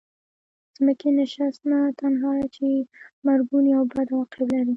د ځمکې نشست نه تنها چې مرګوني او بد عواقب لري.